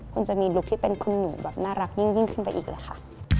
คุณจะมีลุคที่เป็นคุณหนูแบบน่ารักยิ่งขึ้นไปอีกเลยค่ะ